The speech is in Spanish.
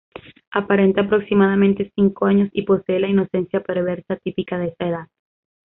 Aparenta aproximadamente cinco años y posee la inocencia perversa típica de esa edad.